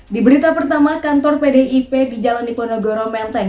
di berita pertama kantor pdip di jalan niponegoro menteng